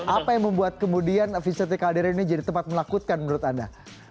apa yang membuat kemudian vicente caldera ini jadi tempat melakutkan menurut anda